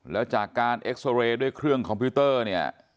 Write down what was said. แล้วจากการเอ็กซอเรย์ด้วยเครื่องคอมพิวเตอร์เนี่ย